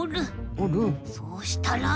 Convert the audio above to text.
そうしたら。